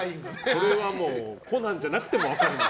これはコナンじゃなくても分かる。